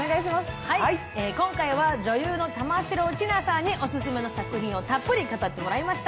今回は女優の玉城ティナさんにオススメの作品をたっぷり語ってもらいました。